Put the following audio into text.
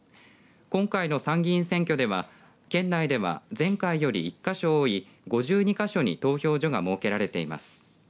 今回の参議院選挙では県内では前回より１か所多い５２か所に投票所が設けられています。